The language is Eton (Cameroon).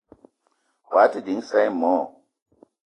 Wao te ding isa i mo?